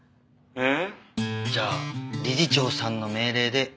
えっ？